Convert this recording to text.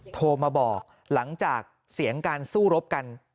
โทรมาบอกหลังจากเสียงการสู้รบกัน